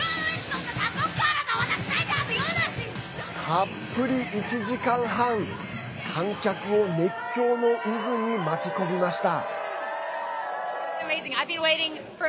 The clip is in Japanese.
たっぷり１時間半観客を熱狂の渦に巻き込みました。